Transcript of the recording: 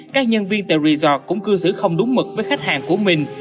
các nhân viên tàu resort cũng cư xử không đúng mực với khách hàng của mình